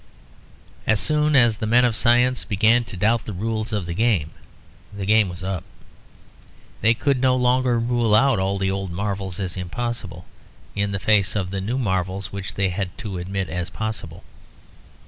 As soon as the men of science began to doubt the rules of the game, the game was up. They could no longer rule out all the old marvels as impossible, in face of the new marvels which they had to admit as possible.